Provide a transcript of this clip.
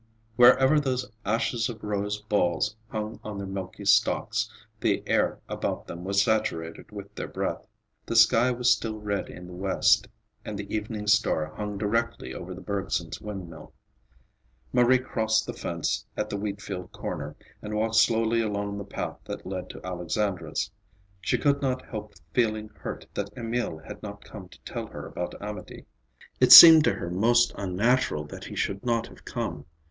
Wherever those ashes of rose balls hung on their milky stalks, the air about them was saturated with their breath. The sky was still red in the west and the evening star hung directly over the Bergsons' wind mill. Marie crossed the fence at the wheatfield corner, and walked slowly along the path that led to Alexandra's. She could not help feeling hurt that Emil had not come to tell her about Amédée. It seemed to her most unnatural that he should not have come.